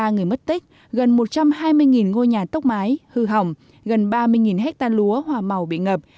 ba người mất tích gần một trăm hai mươi ngôi nhà tốc mái hư hỏng gần ba mươi hectare lúa hòa màu bị ngập